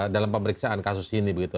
dalam pemeriksaan kasus ini begitu